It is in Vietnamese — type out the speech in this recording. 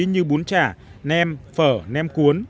như bún chả nem phở nem cuốn